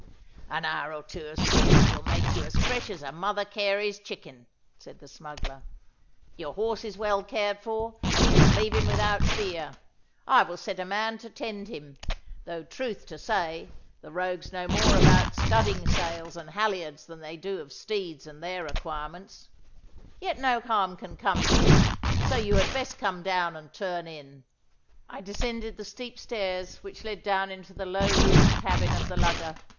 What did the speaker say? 'An hour or two of sleep will make you as fresh as a Mother Carey's chicken,' said the smuggler. 'Your horse is well cared for, and you can leave him without fear. I will set a man to tend him, though, truth to say, the rogues know more about studding sails and halliards than they do of steeds and their requirements. Yet no harm can come to him, so you had best come down and turn in.' I descended the steep stairs which led down into the low roofed cabin of the lugger.